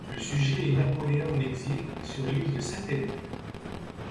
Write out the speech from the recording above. Le sujet est Napoléon en exil sur l'île de Sainte-Hélène.